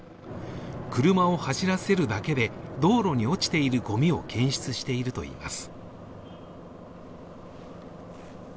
車を走らせるだけで、道路に落ちているごみを検出しているといいます。